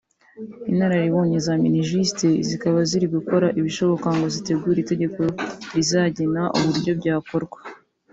inararibonye za Minijust zikaba ziri gukora ibishoboka ngo zitegure itegeko rizagena uburyo byakorwa